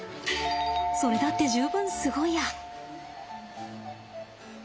それだって十分すごいや。